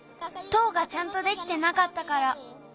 塔がちゃんとできてなかったから。